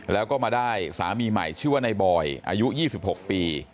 แล้วก็มาได้สามีใหม่ชื่อว่าในบอยอายุ๒๖ปี